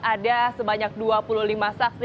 ada sebanyak dua puluh lima saksi